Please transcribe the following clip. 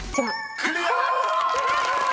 ［クリア！］